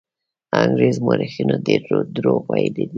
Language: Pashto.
انګرېز مورخینو ډېر دروغ ویلي دي.